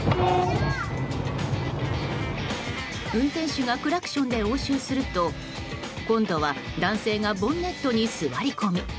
運転手がクラクションで応酬すると今度は男性がボンネットに座り込み。